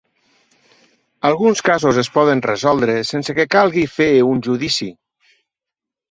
Alguns casos es poden resoldre sense que calgui fer un judici.